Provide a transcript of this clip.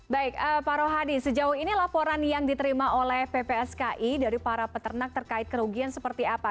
baik pak rohadi sejauh ini laporan yang diterima oleh ppski dari para peternak terkait kerugian seperti apa